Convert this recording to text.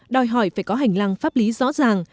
đòi hỏi phải có hành lang pháp lý rõ ràng